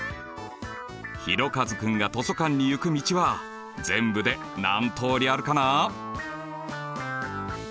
ひろかず君が図書館に行く道は全部で何通りあるかな？